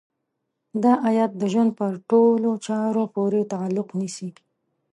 دا ايت د ژوند په ټولو چارو پورې تعلق نيسي.